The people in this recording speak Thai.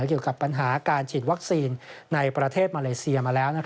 เกี่ยวกับปัญหาการฉีดวัคซีนในประเทศมาเลเซียมาแล้ว